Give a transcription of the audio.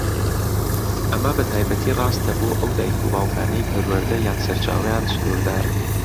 ئەمە بەتایبەتی ڕاستە بۆ ئەو دایک و باوکانەی پەروەردە یان سەرچاوەیان سنوردارە.